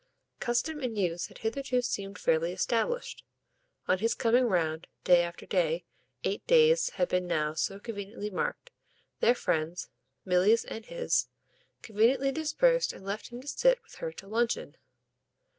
Custom and use had hitherto seemed fairly established; on his coming round, day after day eight days had been now so conveniently marked their friends, Milly's and his, conveniently dispersed and left him to sit with her till luncheon.